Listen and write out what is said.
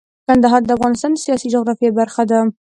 کندهار د افغانستان د سیاسي جغرافیه برخه ده.